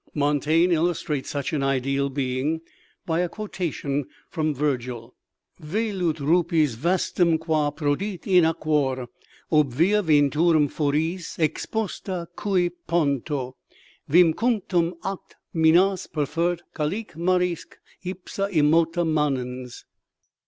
MONTAIGNE illustrates such an ideal being by a quotation from VIRGIL: "Velut rupes vastum quæ prodit in æquor Obvia ventorum furiis, exposta que ponto, Vim cunctum atque minas perfert cælique marisque Ipsa immota manens."